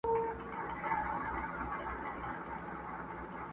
نن به زه هم يا مُلا يا به کوټوال واى.!